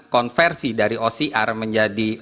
konversi dari ocr menjadi